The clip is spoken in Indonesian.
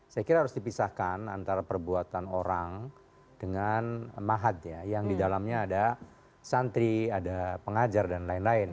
saya kira harus dipisahkan antara perbuatan orang dengan mahat ya yang di dalamnya ada santri ada pengajar dan lain lain